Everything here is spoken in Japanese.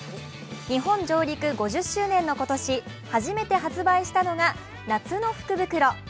日本上陸５０周年の今年、初めて発売したのが夏の福袋。